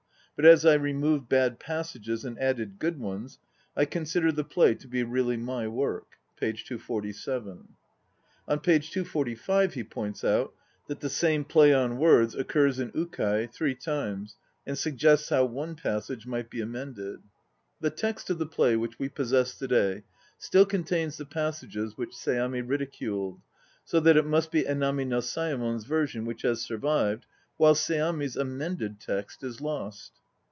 "But as I removed bad passages and added good ones, I consider the play to be really my work" (p. 247). On p. 245 he points out that the same play on words occurs in Ukai three times, and suggests how one passage might be amended. The text of the play which we possess to day still contains the passages which Seami ridiculed, so that it must be Enami no Sayemon's version which has survived, while Seami's amended text is lost.